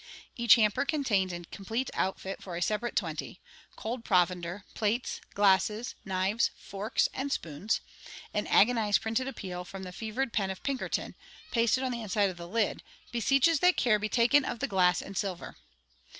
Each hamper contains a complete outfit for a separate twenty, cold provender, plates, glasses, knives, forks, and spoons: an agonized printed appeal from the fevered pen of Pinkerton, pasted on the inside of the lid, beseeches that care be taken of the glass and silver.